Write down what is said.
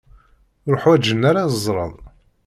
Ur ḥwajen ara ad ẓren.